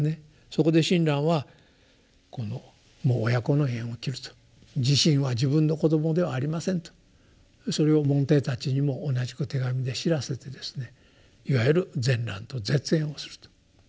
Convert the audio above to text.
そこで親鸞はこのもう親子の縁を切ると慈信は自分の子供ではありませんとそれを門弟たちにも同じく手紙で知らせてですねいわゆる善鸞と絶縁をするということが起こった。